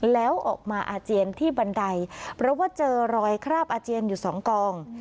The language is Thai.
แล้วออกมาอาเจียนที่บันไดเพราะว่าเจอรอยคราบอาเจียนอยู่สองกอง